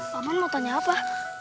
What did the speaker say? paman mau tanya apa